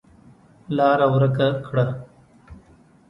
لاره ورکه کړه.